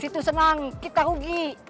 situ senang kita rugi